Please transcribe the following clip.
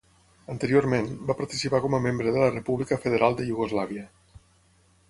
Anteriorment, va participar com a membre de la República Federal de Iugoslàvia.